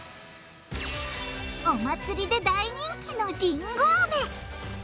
お祭りで大人気のりんごアメ。